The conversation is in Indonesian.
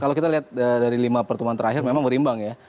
kalau kita lihat dari lima pertemuan terakhir memang berimbang ya